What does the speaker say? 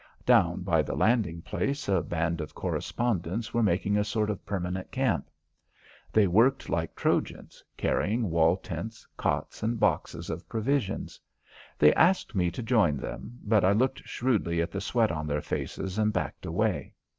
Down by the landing place a band of correspondents were making a sort of permanent camp. They worked like Trojans, carrying wall tents, cots, and boxes of provisions. They asked me to join them, but I looked shrewdly at the sweat on their faces and backed away.